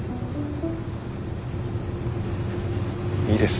いいです。